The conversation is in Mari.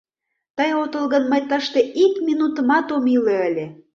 Тый отыл гын, мый тыште ик минутымат ом иле ыле...